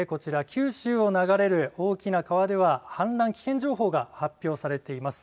九州を流れる大きな川では氾濫危険情報が発表されています。